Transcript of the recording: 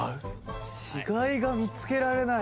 違いが見つけられない。